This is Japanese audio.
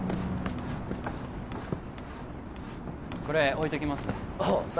これ置いときますねおう